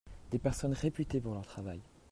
des personnes réputées pour leur travail.